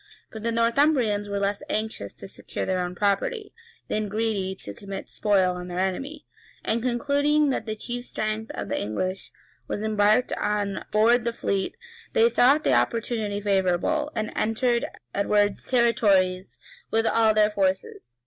But the Northumbrians were less anxious to secure their own property, than greedy to commit spoil on their enemy; and, concluding that the chief strength of the English was embarked on board the fleet, they thought the opportunity favorable, and entered Edward's territories with all their forces.